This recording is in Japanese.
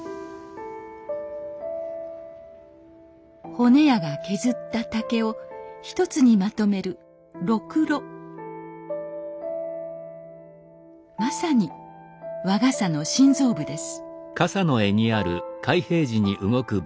骨屋が削った竹を一つにまとめるまさに和傘の心臓部です